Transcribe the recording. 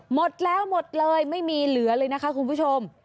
หมดแล้วหมดเลยไม่มีเหลือเลยนะคะคุณผู้ชม